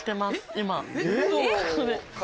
今。